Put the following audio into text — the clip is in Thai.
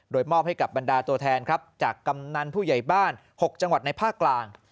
โดยมอบให้กับบรรดาตัวแทนครับจากกำนันผู้ใหญ่บ้าน๖จังหวัดในภาคกลาง